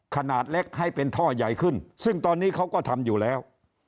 ขนาดเล็กให้เป็นท่อใหญ่ขึ้นซึ่งตอนนี้เขาก็ทำอยู่แล้ว